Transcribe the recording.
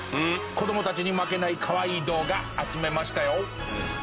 子どもたちに負けない可愛い動画集めましたよ。